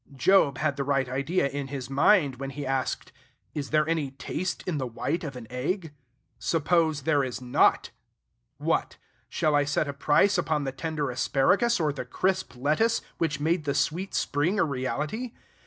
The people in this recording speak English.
Job had the right idea in his mind when he asked, "Is there any taste in the white of an egg?" Suppose there is not! What! shall I set a price upon the tender asparagus or the crisp lettuce, which made the sweet spring a reality?